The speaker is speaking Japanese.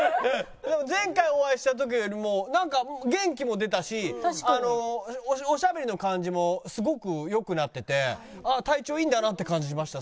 でも前回お会いした時よりも元気も出たしおしゃべりの感じもすごく良くなってて体調いいんだなって感じしました。